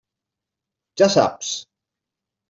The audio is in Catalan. Ja saps.